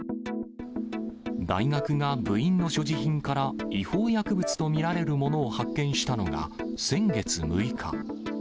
大学が部員の所持品から違法薬物と見られるものを発見したのが、先月６日。